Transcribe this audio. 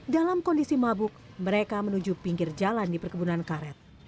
dalam kondisi mabuk mereka menuju pinggir jalan di perkebunan karet